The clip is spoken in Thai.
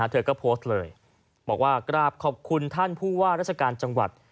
เธอก็โพสต์เลยบอกว่ากราบขอบคุณท่านผู้ว่าราชการจังหวัด